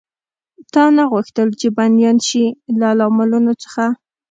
تا نه غوښتل، چې بندیان شي؟ له لاملونو څخه.